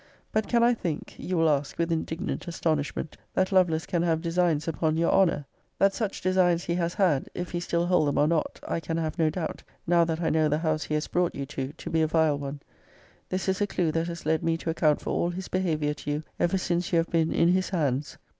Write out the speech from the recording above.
>>> But can I think [you will ask with indignant astonishment] that Lovelace can have designs upon your honour? >>> That such designs he has had, if he still hold them or not, I can have no doubt, now that I know the house he has brought you to, to be a vile one. This is a clue that has led me to account for all his behaviour to you ever since you have been in his hands.